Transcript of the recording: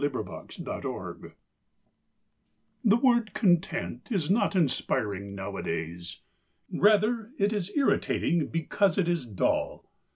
THE CONTENTED MAN The word content is not inspiring nowadays; rather it is irritating because it is dull.